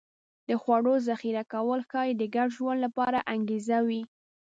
د خوړو ذخیره کول ښایي د ګډ ژوند لپاره انګېزه وي